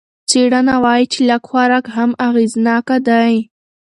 څېړنه وايي چې لږ خوراک هم اغېزناکه دی.